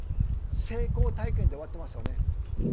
成功体験で終わってますよね。